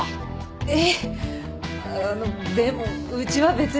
えっあのでもうちは別に。